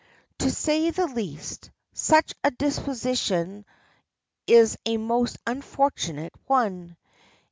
To say the least, such a disposition is a most unfortunate one.